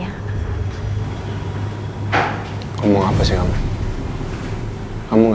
aku gak bisa ketemu mama lagi